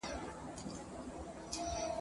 د جذبې د زياتوالي لامل ګرزېدلي ده